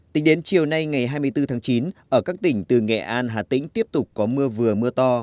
tính đến chiều nay ngày hai mươi bốn tháng chín ở các tỉnh từ nghệ an hà tĩnh tiếp tục có mưa vừa mưa to